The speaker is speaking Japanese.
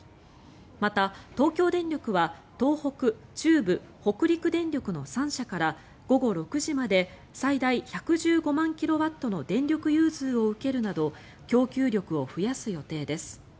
また、東京電力は東北、中部、北陸電力の３社から午後６時まで最大１１５万キロワットの電力融通を受けるなど供給力を増やす予定です。